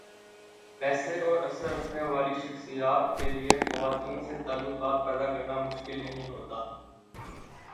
پیسے اور اثر رکھنے والی شخصیات کیلئے خواتین سے تعلقات پیدا کرنا مشکل نہیں ہوتا۔